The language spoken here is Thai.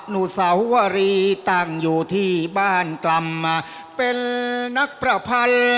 นุสาวรีตั้งอยู่ที่บ้านกรรมมาเป็นนักประพันธ์